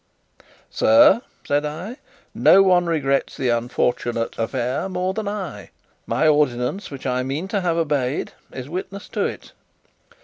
"Sir," said I, "no one regrets the unfortunate affair more than I. My ordinance, which I mean to have obeyed, is witness to it."